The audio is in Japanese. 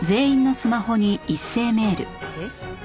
えっ？